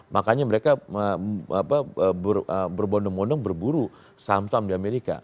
makanya mereka berbondong bondong berburu samsung di amerika